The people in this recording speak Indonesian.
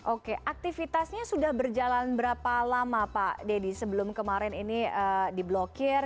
oke aktivitasnya sudah berjalan berapa lama pak dedy sebelum kemarin ini diblokir